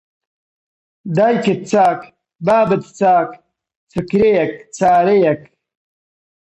دایکت چاک، بابت چاک، فکرێک، چارەیەک